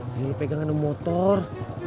jangan pegang ada motor